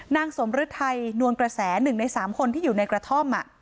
นางสมฤทัยนวลกระแส๑ใน๓คนที่อยู่ในกระท่อม